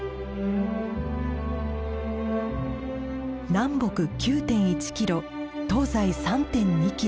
南北９．１キロ東西３．２キロ。